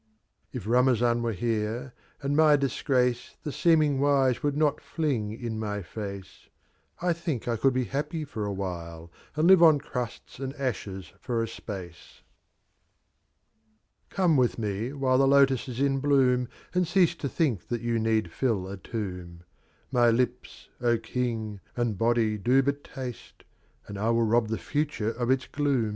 XI, If Kamayan wete here, and my Disgr^c?, The setming W%* would not flinj m my Face,— I think T could be happy lor i while, And Elve cm Crusta and Ashes, for a Space. XII. Come with S\c while the Lotus J5 in bloom And cease to think that You need fill a Tomb. My Lips, King, and Bady do hut Taste, And I will rob the Future of Its Gloom.